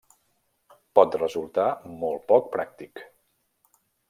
Pot resultar molt poc pràctic.